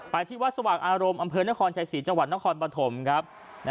ไปที่วัดสวัสดิ์อารมณ์อำเภณนครชัยศรีจนครปฐมครับ